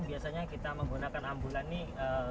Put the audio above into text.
biasanya kita menggunakan ambulan nih